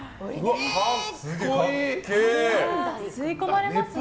吸い込まれますね。